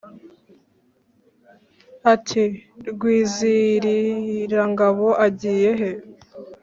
Ati: "Rwizihirangabo agiye he?